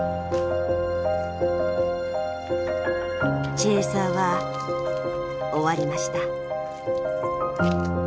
チェーサーは終わりました。